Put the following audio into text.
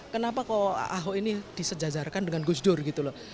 kenapa kok aho ini disejajarkan dengan gusdur gitu loh